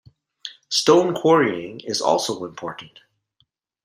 Stone quarrying is also important.